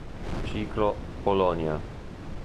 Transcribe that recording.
Ciclo "Polonia"